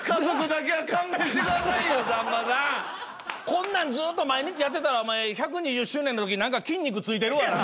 こんなんずっと毎日やってたらお前１２０周年のとき何か筋肉ついてるわ。